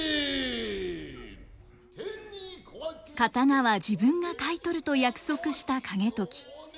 刀は自分が買い取ると約束した景時。